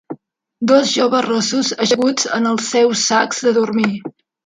Dos joves rossos ajaguts en els seus sacs de dormir.